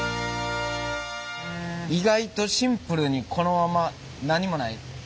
意外とシンプルにこのまま何もない白。